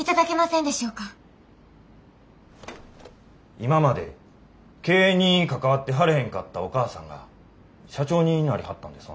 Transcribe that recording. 今まで経営に関わってはれへんかったお母さんが社長になりはったんですわな。